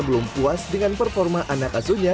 belum puas dengan performa anak asuhnya